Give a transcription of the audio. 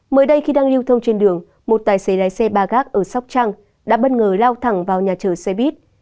mới đây khi đang lưu thông trên đường một tài xế lái xe ba gác ở sóc trăng đã bất ngờ lao thẳng vào nhà chở xe buýt